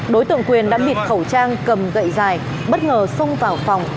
đối tượng quyền đã bịt khẩu trang cầm gậy dài bất ngờ xông vào phòng